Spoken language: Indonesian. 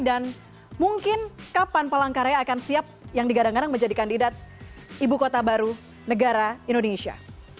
dan mungkin kapan pelangkaranya akan siap yang digadang gadang menjadi kandidat ibu kota baru negara indonesia